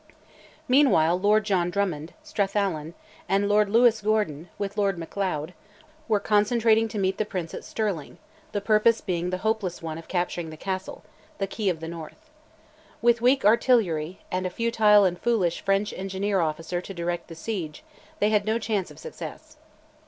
Meanwhile Lord John Drummond, Strathallan, and Lord Lewis Gordon, with Lord Macleod, were concentrating to meet the Prince at Stirling, the purpose being the hopeless one of capturing the castle, the key of the north. With weak artillery, and a futile and foolish French engineer officer to direct the siege, they had no chance of success.